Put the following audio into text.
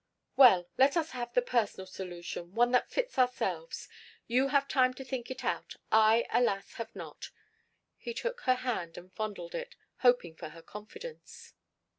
"Well, let us have the personal solution one that fits ourselves. You have time to think it out. I, alas! have not." He took her hand and fondled it, hoping for her confidence.